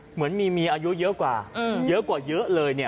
เหมือนมีเมียอายุเยอะกว่าเยอะกว่าเยอะเลยเนี่ย